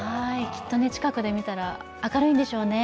きっと近くで見たら明るいんでしょうね。